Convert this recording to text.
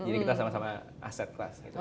jadi kita sama sama aset class gitu ya